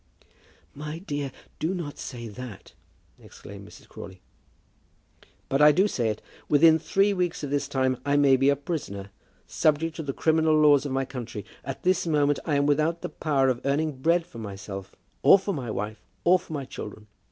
"My dear, do not say that," exclaimed Mrs. Crawley. "But I do say it. Within three weeks of this time I may be a prisoner, subject to the criminal laws of my country. At this moment I am without the power of earning bread for myself, or for my wife, or for my children.